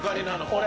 俺。